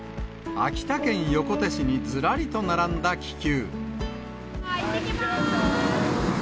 秋田県横手市にずらりと並ん行ってきます！